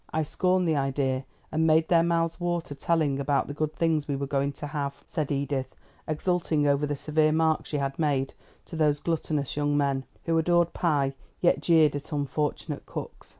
I scorned the idea, and made their mouths water telling about the good things we were going to have," said Edith, exulting over the severe remarks she had made to these gluttonous young men, who adored pie, yet jeered at unfortunate cooks.